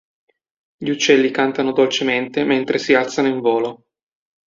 Gli uccelli cantano dolcemente mentre si alzano in volo.